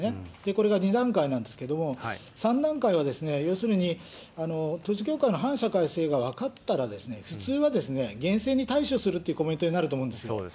これが２段階なんですけれども、３段階は要するに、統一教会の反社会性が分かったら、普通は厳正に対処するというコメントになると思うんですよ。